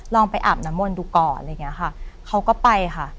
ลองไปอาบน้ำมนต์ดูก่อนอะไรอย่างเงี้ยค่ะเขาก็ไปค่ะ